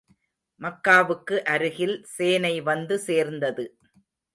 மக்காவுக்கு அருகில் சேனை வந்து சேர்ந்தது.